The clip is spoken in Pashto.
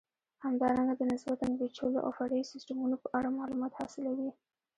همدارنګه د نسبتا پېچلو او فرعي سیسټمونو په اړه معلومات حاصلوئ.